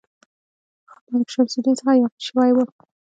هغه د ملک شمس الدین څخه یاغي شوی وو.